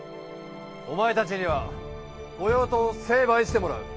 お前たちには御用盗を成敗してもらう。